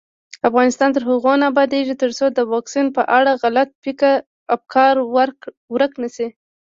افغانستان تر هغو نه ابادیږي، ترڅو د واکسین په اړه غلط افکار ورک نشي.